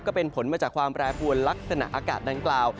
ก็เป็นผลมาจากความแปรปวนลักษณะอากาศดังกล่าว